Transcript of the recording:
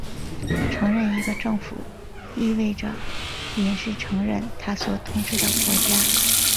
承认一个政府意味着隐式承认它所统治的国家。